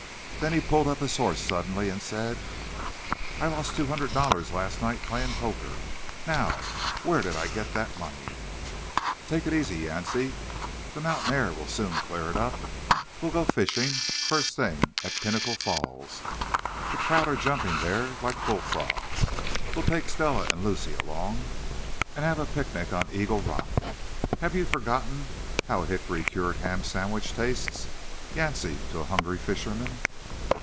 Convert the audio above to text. Then he pulled up his horse suddenly, and said: "I lost two hundred dollars last night, playing poker. Now, where did I get that money?" "Take it easy, Yancey. The mountain air will soon clear it up. We'll go fishing, first thing, at the Pinnacle Falls. The trout are jumping there like bullfrogs. We'll take Stella and Lucy along, and have a picnic on Eagle Rock. Have you forgotten how a hickory cured ham sandwich tastes, Yancey, to a hungry fisherman?"